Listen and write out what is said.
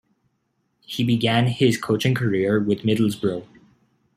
He began his coaching career with Middlesbrough.